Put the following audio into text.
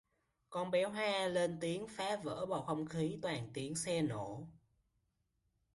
Con bé Hoa lên tiếng phá vỡ bầu không khí toàn tiếng xe nổ